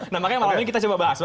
nah makanya malam ini kita coba bahas